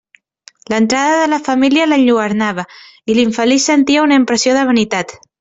L'entrada de la família l'enlluernava, i l'infeliç sentia una impressió de vanitat.